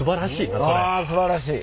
わあすばらしい。